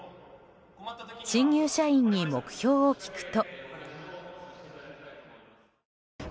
新入社員に目標を聞くと。